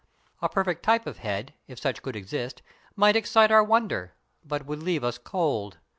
A perfect type of head, if such could exist, might excite our wonder, but would leave us cold.